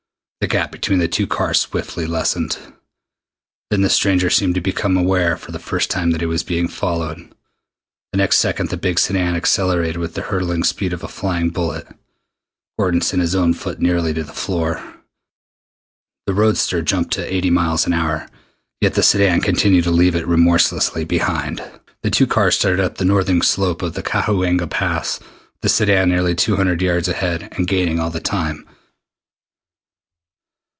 The gap between the two cars swiftly lessened. Then the stranger seemed to become aware for the first time that he was being followed. The next second the big sedan accelerated with the hurtling speed of a flying bullet. Gordon sent his own foot nearly to the floor. The roadster jumped to eighty miles an hour, yet the sedan continued to leave it remorselessly behind. The two cars started up the northern slope of Cahuenga Pass with the sedan nearly two hundred yards ahead, and gaining all the time.